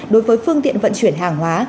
đối với phương tiện vận chuyển hàng hóa